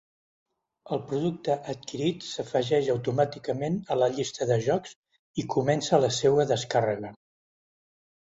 El producte adquirit s'afegeix automàticament a la llista de jocs i comença la seua descàrrega.